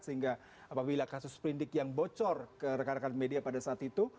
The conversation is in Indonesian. sehingga apabila kasus sprindik yang bocor ke rekan rekan media pada saat itu